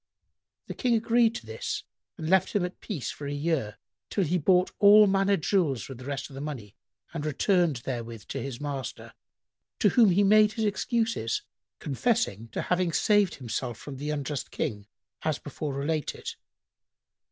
The King agreed to this and left him at peace for a year, till he bought all manner jewels with the rest of the money and returned therewith to his master, to whom he made his excuses, confessing to having saved himself from the unjust King as before related.